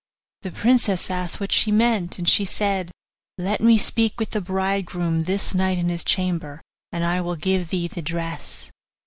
The princess asked what she meant, and she said, 'Let me speak with the bridegroom this night in his chamber, and I will give thee the dress.